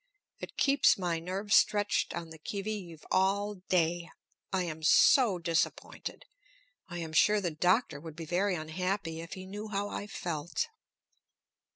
It keeps my nerves stretched on the qui vive all day. I am so disappointed. I am sure the Doctor would be very unhappy if he knew how I felt."